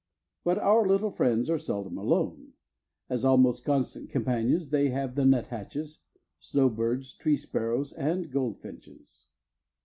But our little friends are seldom alone; as almost constant companions they have the nuthatches, snowbirds, tree sparrows and goldfinches.